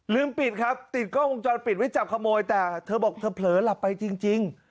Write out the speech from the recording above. ปิดครับติดกล้องวงจรปิดไว้จับขโมยแต่เธอบอกเธอเผลอหลับไปจริง